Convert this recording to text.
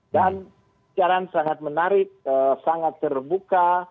dan caranya sangat menarik sangat terbuka